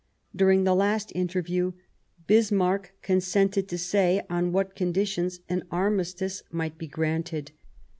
During the last interview Bismarck consented to say on what conditions an armistice might be 140 The War of 1870 granted.